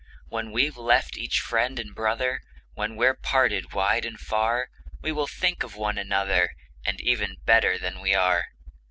When we've left each friend and brother, When we're parted wide and far, We will think of one another, As even better than we are.